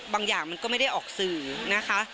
บางอย่างมันก็ไม่ได้ออกสื่อนะคะ